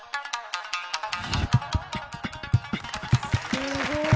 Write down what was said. すごい。